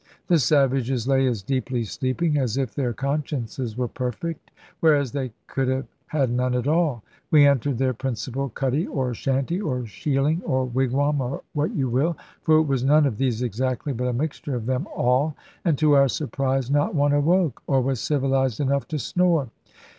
The savages lay as deeply sleeping as if their consciences were perfect, whereas they could have had none at all. We entered their principal cuddy, or shanty, or shieling, or wigwam, or what you will (for it was none of these exactly, but a mixture of them all), and to our surprise not one awoke, or was civilised enough to snore.